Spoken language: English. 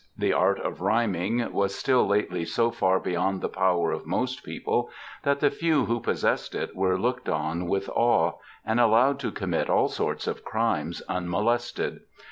The art of rhjnning was till lately so far beyond the power of most people that the few who possessed it were looked on with awe, and allowed to commit all sorts of crimes unmolested.